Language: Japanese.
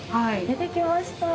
出てきました。